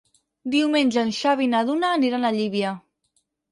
Diumenge en Xavi i na Duna aniran a Llívia.